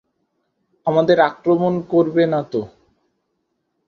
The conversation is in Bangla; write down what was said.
আমাদের আক্রমণ করবে না তো?